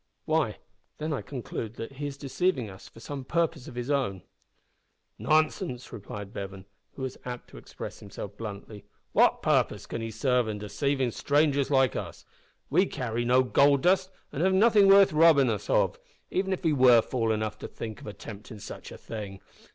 "Why, then I conclude that he is deceiving us for some purpose of his own." "Nonsense," replied Bevan, who was apt to express himself bluntly, "what purpose can he serve in deceiving strangers like us! We carry no gold dust and have nothing worth robbing us of, even if he were fool enough to think of attemptin' such a thing.